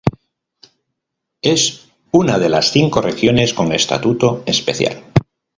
Es una de las cinco regiones con estatuto especial.